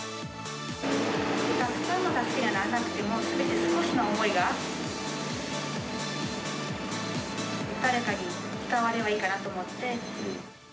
たくさんの助けにはならなくても、せめて少しの思いが、誰かに伝わればいいかなと思って。